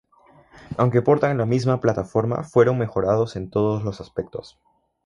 Aunque portan la misma plataforma fueron mejorados en todos los aspectos.